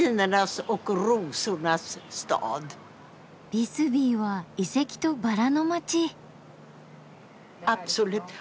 ビスビーは遺跡とバラの街。